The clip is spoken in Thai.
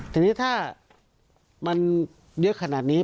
ทีนี้ถ้ามันเยอะขนาดนี้